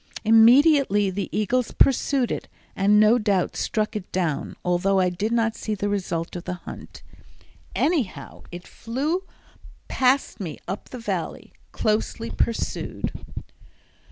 Immediately the eagles pursued it and no doubt struck it down, although I did not see the result of the hunt. Anyhow, it flew past me up the Valley, closely pursued.